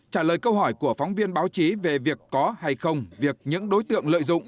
trả lời câu hỏi của phóng viên báo chí về việc có hay không việc những đối tượng lợi dụng